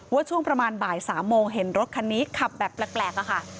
ช่วงประมาณบ่าย๓โมงเห็นรถคันนี้ขับแบบแปลกอะค่ะ